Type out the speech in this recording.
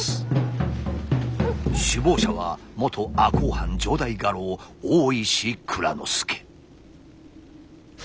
首謀者は元赤穂藩城代家老大石内蔵助。